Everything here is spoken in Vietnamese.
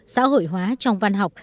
xã hội hóa trong văn học